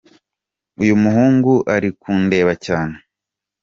Uyu muhungu ari kundeba cyane.